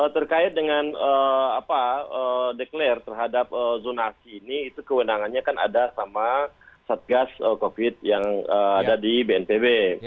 terkait dengan apa declare terhadap zona aksi ini itu kewenangannya kan ada sama satgas covid yang ada di bnpb